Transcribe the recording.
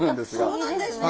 そうなんですね！